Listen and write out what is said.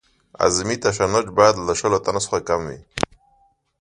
اعظمي تشنج باید له شلو ټنو څخه کم وي